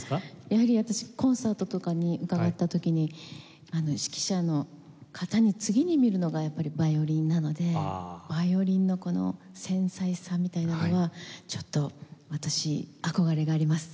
やはり私コンサートとかに伺った時に指揮者の方の次に見るのがやっぱりヴァイオリンなのでヴァイオリンのこの繊細さみたいなのはちょっと私憧れがあります。